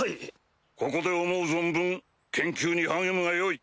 ここで思う存分研究に励むがよい。